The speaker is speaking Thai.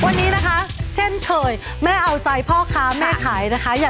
วันนี้นะคะเช่นเคยแม่เอาใจพ่อค้าแม่ขายนะคะ